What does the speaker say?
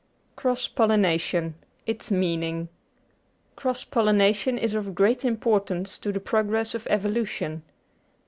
Cross Pollination : its Meaning Cross pollination is of great importance to the progress of evolution.